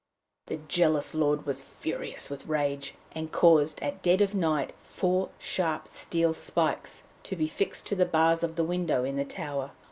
The jealous lord was furious with rage, and caused, at dead of night, four sharp steel spikes to be fixed to the bars of the window in the tower.